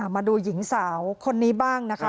มาดูหญิงสาวคนนี้บ้างนะคะ